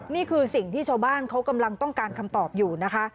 นี่คือสิ่งที่ชาวบ้านเขากำลังต้องการคำตอบอยู่นะคะ